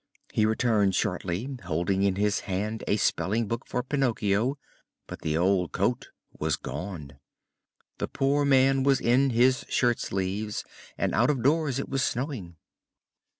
He returned shortly, holding in his hand a spelling book for Pinocchio, but the old coat was gone. The poor man was in his shirt sleeves and out of doors it was snowing.